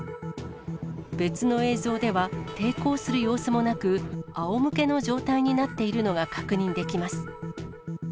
別の映像では、抵抗する様子もなく、あおむけの状態になっているのが確認できます。